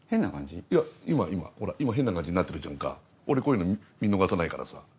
今変な感じになってるじゃんか俺こういうの見逃さないからさ。